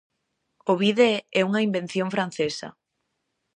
O bidé é unha invención francesa.